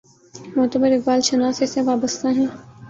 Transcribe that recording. معتبر اقبال شناس اس سے وابستہ ہیں۔